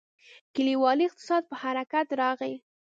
کلیوالي اقتصاد په حرکت راغی.